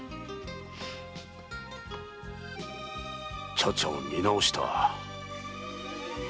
茶々を見直した。